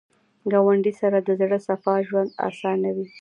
ګاونډي سره د زړه صفا ژوند اسانوي